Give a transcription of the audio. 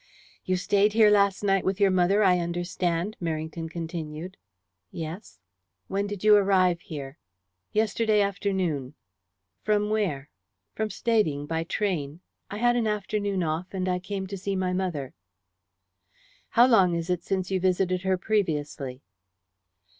"You stayed here last night with your mother, I understand?" Merrington continued. "Yes." "When did you arrive here?" "Yesterday afternoon." "Where from?" "From Stading, by train. I had an afternoon off, and I came to see my mother." "How long is it since you visited her previously?"